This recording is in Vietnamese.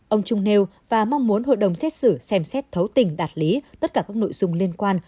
ông trung nêu và mong muốn hội đồng xét xử xem xét thấu tình đạt lý tất cả các nội dung liên quan